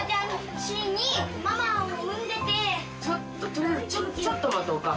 取りあえずちょっと待とうか。